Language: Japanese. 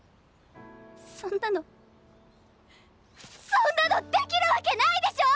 そんなのそんなのできるわけないでしょ！